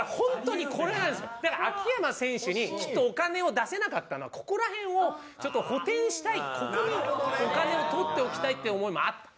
だから秋山選手にきっとお金を出せなかったのはここら辺をちょっと補てんしたいここにお金を取っておきたいっていう思いもあった。